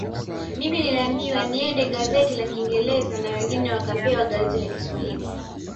Mimi niliambiwa niende gazeti la kingereza na wengine wakapewa gazeti la kishwahili